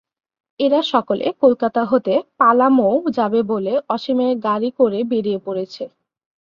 এরা সকলে কলকাতা থেকে পালামৌ যাবে বলে অসীমের গাড়ি করে বেরিয়ে পড়েছে।